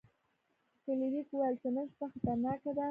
فلیریک وویل چې نن شپه خطرناکه ده.